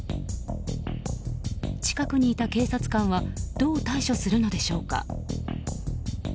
近くにいた警察官はどう対処するのでしょうか。